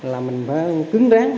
là mình phải cứng rán